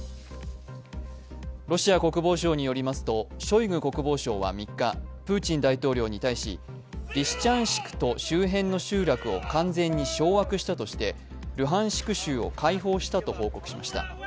ロシア国防省によりますとショイグ国防相は３日プーチン大統領に対しリシチャンシクと周辺の集落を完全に掌握したとして、ルハンシク州を解放したと報告しました。